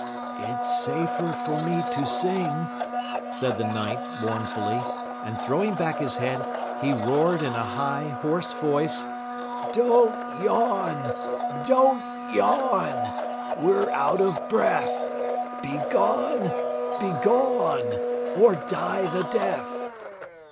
"It's safer for me to sing," said the Knight mournfully, and throwing back his head, he roared in a high, hoarse voice: "Don't yawn! Don't yawn! We're out of breath Begone BEGONE Or die the death!"